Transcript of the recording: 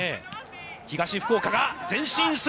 東福岡が前進する。